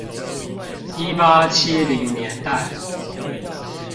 一八七零年代